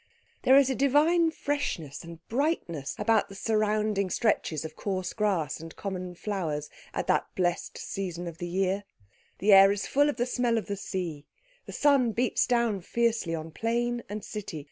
There is a divine freshness and brightness about the surrounding stretches of coarse grass and common flowers at that blest season of the year. The air is full of the smell of the sea. The sun beats down fiercely on plain and city.